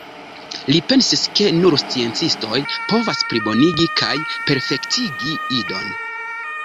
Li pensis ke nur sciencistoj povas plibonigi kaj perfektigi Idon.